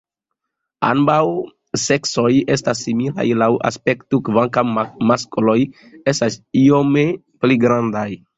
Ambaŭ seksoj estas similaj laŭ aspekto kvankam maskloj estas iome pli grandaj.